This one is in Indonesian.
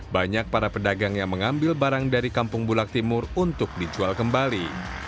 banyak para pedagang yang mengambil barang dari kampung bulak timur untuk dijual kembali